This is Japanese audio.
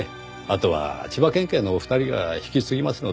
あとは千葉県警のお二人が引き継ぎますので。